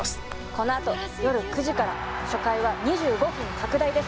このあとよる９時から初回は２５分拡大です